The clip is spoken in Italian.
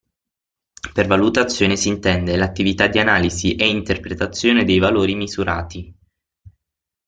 Per valutazione si intende l'attività di analisi e interpretazione dei valori misurati.